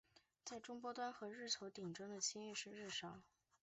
在终端震波和日球层顶中间的区域就是日鞘。